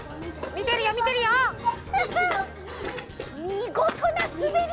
みごとなすべり！